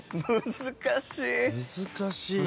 難しい。